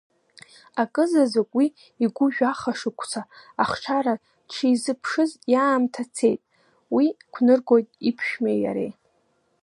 Акы заҵәык уи игу жәаха шықәса ахшара дшизыԥшыз иаамҭа цеит, уи гәныргоит иԥшәмеи иареи.